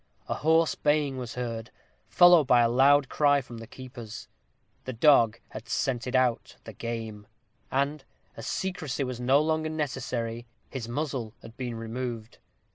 A hoarse baying was heard, followed by a loud cry from the keepers. The dog had scented out the game; and, as secrecy was no longer necessary, his muzzle had been removed.